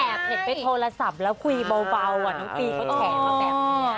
เห็นไปโทรศัพท์แล้วคุยเบาน้องปีเขาแฉมาแบบนี้